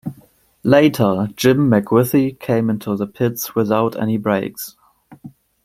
Later, Jim McWithey came into the pits without any brakes.